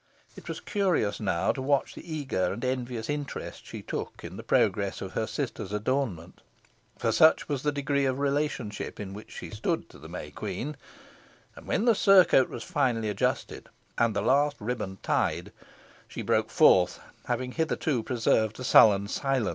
It was curious now to watch the eager and envious interest she took in the progress of her sister's adornment for such was the degree of relationship in which she stood to the May Queen and when the surcoat was finally adjusted, and the last riband tied, she broke forth, having hitherto preserved a sullen silence.